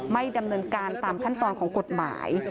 ไม่ดำเนินการตามขั้นตอนของกฎหมาย